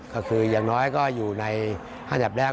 ก็คืออย่างน้อยก็อยู่ในอันดับแรก